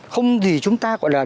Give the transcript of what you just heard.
không gì chúng ta gọi là